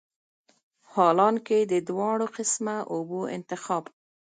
حالانکه د دواړو قسمه اوبو انتخاب